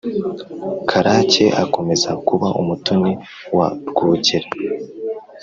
karake akomeza kuba umutoni wa rwogera.